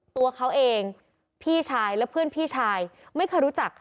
ตัวเขาเองพี่ชายและเพื่อนพี่ชายไม่เคยรู้จัก